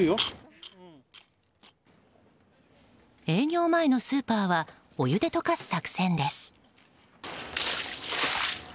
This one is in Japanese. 営業前のスーパーはお湯で溶かす作戦です。